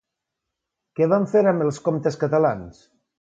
Què van fer amb els comptes catalans?